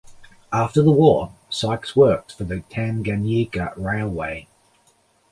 After the war, Sykes worked for the Tanganyika Railway.